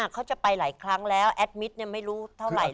เขาจะไปหลายครั้งแล้วแอดมิตรไม่รู้เท่าไหร่